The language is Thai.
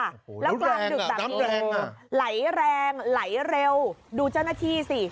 แล้วกลางดึกแบบนี้ไหลแรงไหลเร็วดูเจ้าหน้าที่สิ